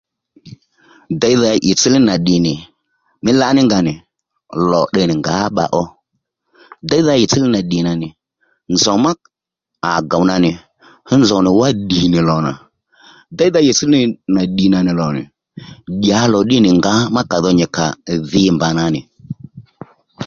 Déydha ɦiytss-ní-li nà ddì nì mí lǎní nga nì lò tde nì ngǎ bba ó Déydha ɦiytss-ní-li nà ddì nì nà nì nzòw má à gòw nà nì fú nzòw nì wá ddì nì lò nà Déydha ɦiytss-ní-li nà ddì nà nì lò nì dyǎ lò ddí nì ngǎ má ka dho nyì kàò dhi mbàdha nà nì